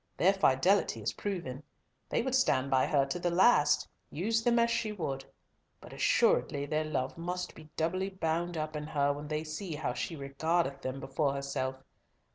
Their fidelity is proven. They would stand by her to the last, use them as she would, but assuredly their love must be doubly bound up in her when they see how she regardeth them before herself.